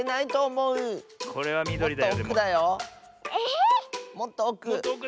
もっとおく。